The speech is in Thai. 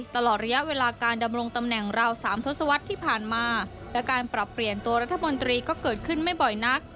ตลอดระยะเวลาการดำรงตำแหน่งราว๓ทศวรรษที่ผ่านมาและการปรับเปลี่ยนตัวรัฐมนตรีก็เกิดขึ้นไม่บ่อยนัก